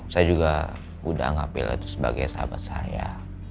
saya juga udah ngapil itu sebagai sahabat saya